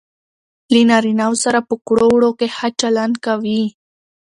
له نارینه وو سره په ګړو وړو کې ښه چلند کوي.